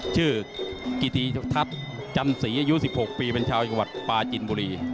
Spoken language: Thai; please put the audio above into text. ชื่อกิติทัศน์จันสีอายุ๑๖ปีเป็นชาวจังหวัดปลาจินบุรี